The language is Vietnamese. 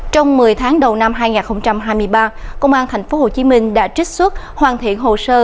trong một mươi tháng đầu năm hai nghìn hai mươi ba công an tp hcm đã trích xuất hoàn thiện hồ sơ